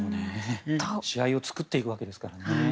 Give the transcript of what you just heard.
試合を作っていくわけですからね。